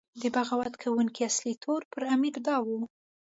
د بغاوت کوونکو اصلي تور پر امیر دا و.